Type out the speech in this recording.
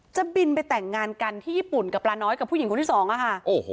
จะบินไปแต่งงานกันที่ญี่ปุ่นกับปลาน้อยกับผู้หญิงคนที่สองอะค่ะ